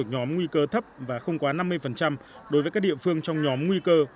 nhóm nguy cơ thấp và không quá năm mươi đối với các địa phương trong nhóm nguy cơ